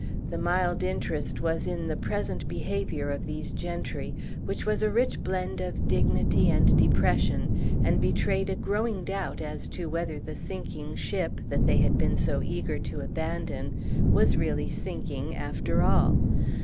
The mild interest was in the present behavior of these gentry, which was a rich blend of dignity and depression, and betrayed a growing doubt as to whether the sinking ship, that they had been so eager to abandon, was really sinking after all.